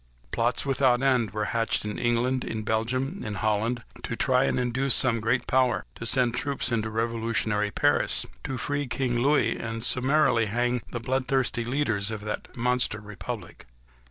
Plots without end were hatched in England, in Belgium, in Holland, to try and induce some great power to send troops into revolutionary Paris, to free King Louis, and to summarily hang the bloodthirsty leaders of that monster republic.